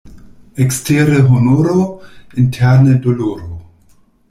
Ekstere honoro, interne doloro.